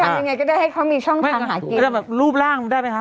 อย่างเงี้ยก็ได้ให้เขามีช่องทำมาหากินเป็นแบบรูปร่างได้ไหมฮะ